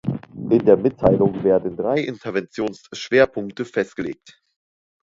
In der Mitteilung werden drei Interventionsschwerpunkte festgelegt.